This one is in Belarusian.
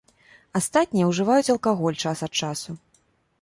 Астатнія ўжываюць алкаголь час ад часу.